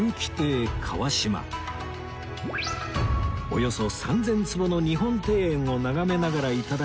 およそ３０００坪の日本庭園を眺めながら頂く手打ち